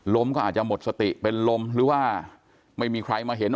ก็อาจจะหมดสติเป็นลมหรือว่าไม่มีใครมาเห็น